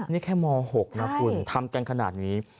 นี่แค่ม๖นะคุณทำกันขนาดนี้